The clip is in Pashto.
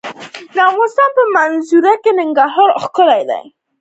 د افغانستان په منظره کې ننګرهار ښکاره ده.